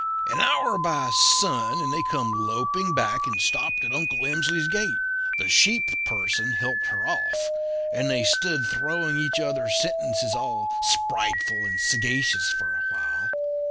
"An hour by sun they come loping back, and stopped at Uncle Emsley's gate. The sheep person helped her off; and they stood throwing each other sentences all sprightful and sagacious for a while.